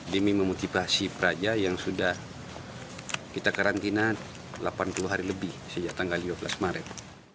demi memotivasi peraja yang sudah kita karantina delapan puluh hari lebih sejak tanggal dua belas maret